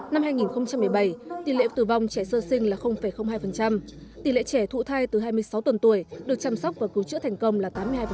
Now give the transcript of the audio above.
năm hai nghìn một mươi bảy tỷ lệ tử vong trẻ sơ sinh là hai tỷ lệ trẻ thụ thai từ hai mươi sáu tuần tuổi được chăm sóc và cứu chữa thành công là tám mươi hai